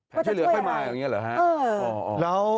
ก็จะช่วยอะไรเออเออเออแล้ว